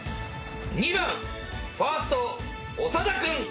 ２番ファースト長田君。